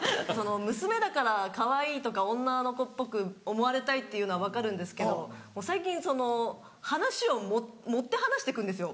娘だからかわいいとか女の子っぽく思われたいっていうのは分かるんですけど最近話を盛って話してくんですよ